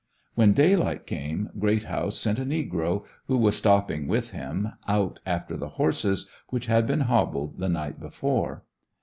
When day light came Greathouse sent a negro, who was stopping with him, out after the horses which had been hobbled the night before.